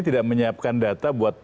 tidak menyiapkan data